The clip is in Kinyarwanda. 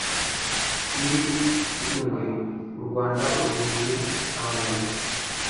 Nyiri-Rwingwe u Rwanda urwimye abanyazi.